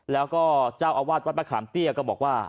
แล้วก็เจ้าอาวาสวัดมะขามเตี้ยก็บอกว่า